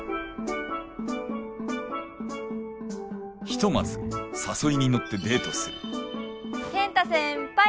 ひとまず誘いに乗ってデートする健太先輩